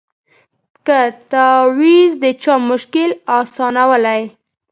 که تعویذ د چا مشکل آسانولای